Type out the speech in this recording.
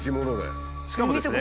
しかもですね